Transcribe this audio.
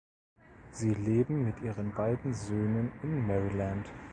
Sie leben mit ihren beiden Söhnen in Maryland.